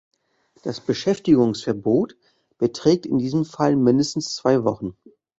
Das Beschäftigungsverbot beträgt in diesem Fall mindestens zwei Wochen.